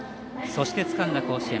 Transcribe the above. そしてつかんだ甲子園。